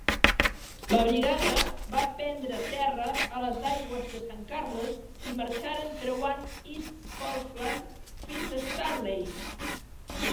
La Brigada va prendre terra a les aigües de San Carlos, i marxaren creuant East Falkland fins a Stanley.